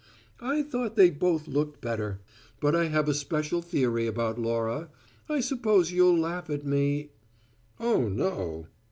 I thought they both looked better. But I have a special theory about Laura: I suppose you'll laugh at me " "Oh, no."